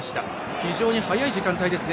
非常に早い時間帯ですね。